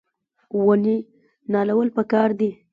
ونې نالول پکار دي